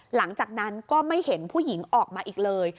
หลังจากนั้นก็ไม่เห็นผู้หญิงออกมาอีกเลย